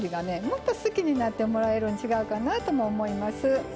もっと好きになってもらえるん違うかなぁとも思います。